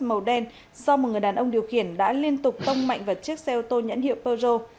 màu đen do một người đàn ông điều khiển đã liên tục tông mạnh vào chiếc xe ô tô nhãn hiệu peugeot